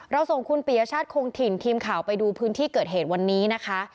ส่งคุณปียชาติคงถิ่นทีมข่าวไปดูพื้นที่เกิดเหตุวันนี้นะคะ